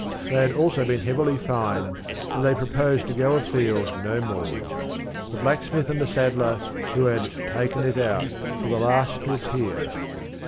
They had also been heavily fined, and they proposed to go afield no more. The Blacksmith and the Saddler, who had ‘taken it out,’ were the last to appear.